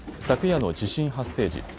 昨夜の地震発生時。